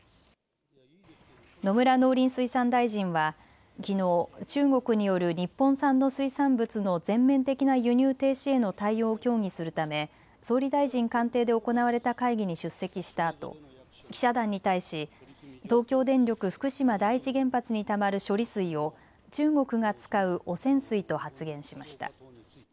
野村農林水産大臣はきのう中国による日本産の水産物の全面的な輸入停止への対応を協議するため総理大臣官邸で行われた会議に出席したあと記者団に対し東京電力福島第一原発にたまる処理水を中国が使う汚染水と発言しました。